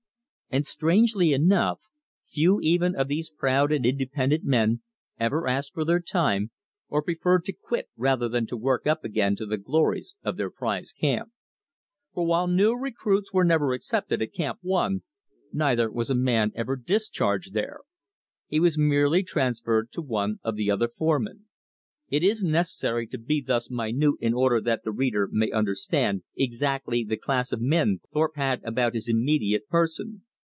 And strangely enough, few even of these proud and independent men ever asked for their time, or preferred to quit rather than to work up again to the glories of their prize camp. For while new recruits were never accepted at Camp One, neither was a man ever discharged there. He was merely transferred to one of the other foremen. It is necessary to be thus minute in order that the reader may understand exactly the class of men Thorpe had about his immediate person.